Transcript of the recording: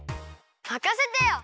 まかせてよ！